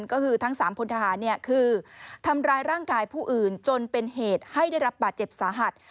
ก็คือทั้ง๓พลทหารคือทำร้ายร่างกายผู้อื่นจนเป็นเหตุให้ได้รับบาดเจ็บสาหัส